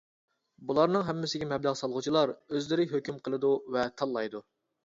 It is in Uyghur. بۇلارنىڭ ھەممىسىگە مەبلەغ سالغۇچىلار ئۆزلىرى ھۆكۈم قىلىدۇ ۋە تاللايدۇ.